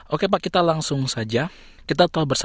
oke pak kita langsung saja